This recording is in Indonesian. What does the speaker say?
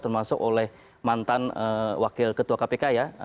termasuk oleh mantan wakil ketua kpk ya